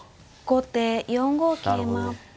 後手４五桂馬。